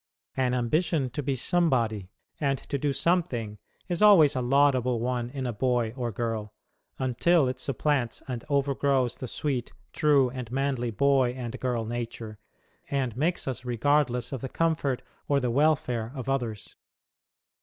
An ambition to be somebody and to do something is always a laudable one in boy or girl, until it supplants and overgrows the sweet, true, and manly boy and girl nature, and makes us regardless of the comfort or the welfare of others.